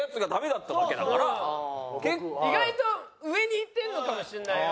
意外と上にいってるのかもしれないよ。